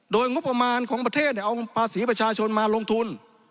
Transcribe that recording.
โดยงบประมาณของประเทศเอาภาษีประชาชนมาลงทุน